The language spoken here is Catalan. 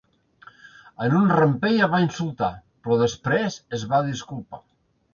En un rampell el va insultar, però després es va disculpar.